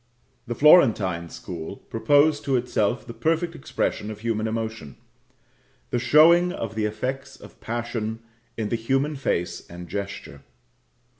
The Florentine school proposed to itself the perfect expression of human emotion the showing of the effects of passion in the human face and gesture.